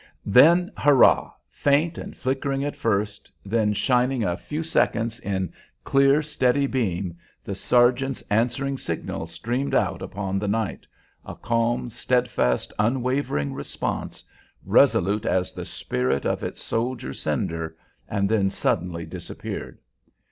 Then, hurrah! Faint and flickering at first, then shining a few seconds in clear, steady beam, the sergeant's answering signal streamed out upon the night, a calm, steadfast, unwavering response, resolute as the spirit of its soldier sender, and then suddenly disappeared.